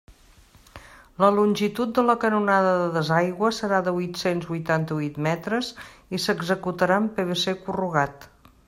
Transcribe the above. La longitud de la canonada de desaigüe serà de huit-cents huitanta-huit metres i s'executarà amb PVC corrugat.